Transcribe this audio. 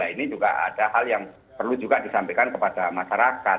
ini juga ada hal yang perlu juga disampaikan kepada masyarakat